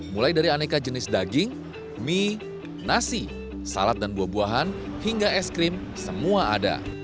mulai dari aneka jenis daging mie nasi salad dan buah buahan hingga es krim semua ada